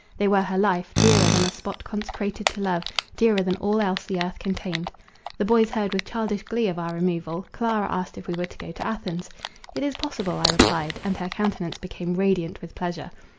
They were her life; dearer than a spot consecrated to love, dearer than all else the earth contained. The boys heard with childish glee of our removal: Clara asked if we were to go to Athens. "It is possible," I replied; and her countenance became radiant with pleasure.